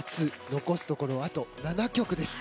残すところ、あと７曲です。